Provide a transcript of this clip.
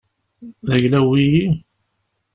D ayla-w wiyi?